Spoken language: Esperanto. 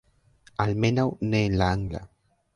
Almenaŭ ne en la angla